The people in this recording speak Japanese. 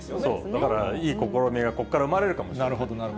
だからいい試みがここから生まれるかもしれない。